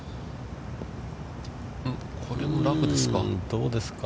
これもラフですか。